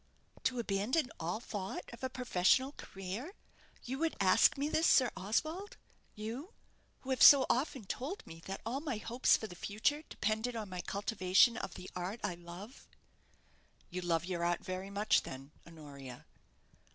"To abandon all thought of a professional career! You would ask me this, Sir Oswald you who have so often told me that all my hopes for the future depended on my cultivation of the art I love?" "You love your art very much then, Honoria?"